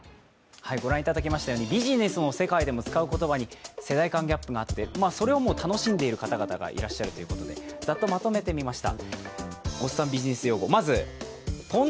ビジネスの世界でも使う言葉に世代間ギャップがあってそれを楽しんでいる方々がいらっしゃるということでまとめてみました。